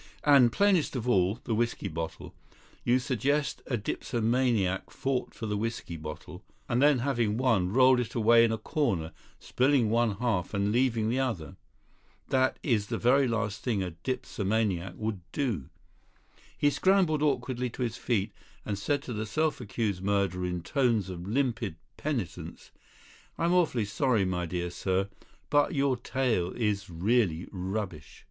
And, plainest of all, the whisky bottle. You suggest a dipsomaniac fought for the whisky bottle, and then having won, rolled it away in a corner, spilling one half and leaving the other. That is the very last thing a dipsomaniac would do." He scrambled awkwardly to his feet, and said to the self accused murderer in tones of limpid penitence: "I'm awfully sorry, my dear sir, but your tale is really rubbish."